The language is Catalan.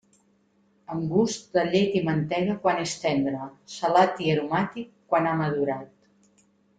Amb gust de llet i mantega quan és tendre, salat i aromàtic quan ha madurat.